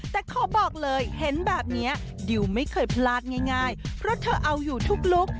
แต่ขอบอกเลยเห็นแบบนี้ดิวไม่เคยพลาดง่ายเพราะเธอเอาอยู่ทุกลุค